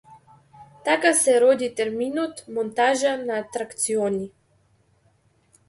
Така се роди терминот монтажа на атракциони.